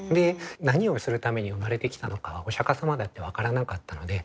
何をするために生まれてきたのかはお釈様だって分からなかったので。